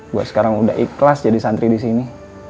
gue sekarang udah ikhlas jadi santri di sini